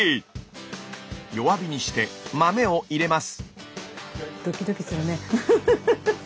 弱火にして豆を入れます。